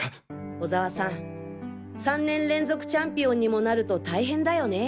小沢さん３年連続チャンピオンにもなると大変だよね。